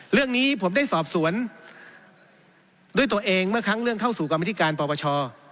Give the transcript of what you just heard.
เรื่องนี้ผมได้สอบสวนด้วยตัวเองเมื่อครั้งเรื่องเข้าสู่กรรมธิการปปช